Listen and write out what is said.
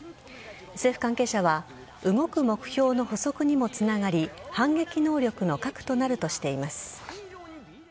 政府関係者は動く目標の捕捉にもつながり反撃能力の核となるとしています。